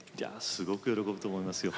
すごく喜ぶと思いますよ。